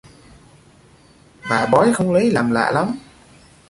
Bà bói không lấy làm lạ lắm